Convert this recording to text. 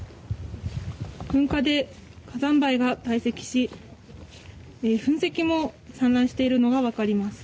噴火で火山灰が堆積し噴石も散乱しているのが分かります。